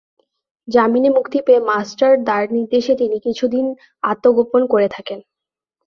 জামিনে মুক্তি পেয়ে মাস্টার দার নির্দেশে তিনি কিছু দিন আত্মগোপন করে থাকেন।